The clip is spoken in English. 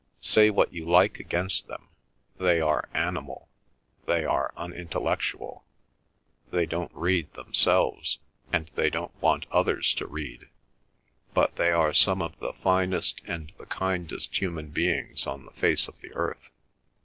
Say what you like against them—they are animal, they are unintellectual; they don't read themselves, and they don't want others to read, but they are some of the finest and the kindest human beings on the face of the earth!